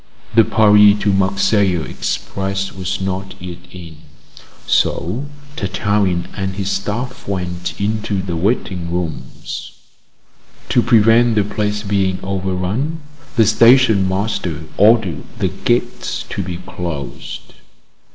The Paris to Marseilles express was not yet in, so Tartarin and his staff went into the waiting rooms. To prevent the place being overrun, the station master ordered the gates to be closed.